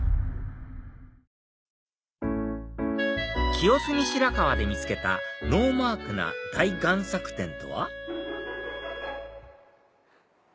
清澄白河で見つけたノーマークな大贋作展とは？